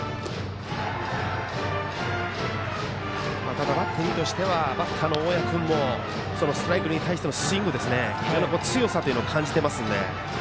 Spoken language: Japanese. ただバッテリーとしてはバッターの大矢君のストライクに対してのスイング非常に強さを感じるので。